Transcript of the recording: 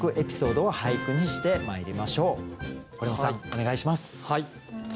お願いします。